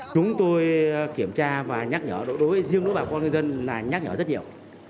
chúng tôi kiểm tra và nhắc nhở đối với riêng nước và con người dân là nhắc nhở rất nhiều